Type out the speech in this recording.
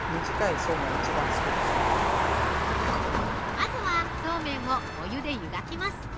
◆まずは、そうめんをお湯でゆがきます。